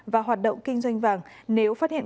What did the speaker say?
và hoạt động kinh doanh vàng nếu phát hiện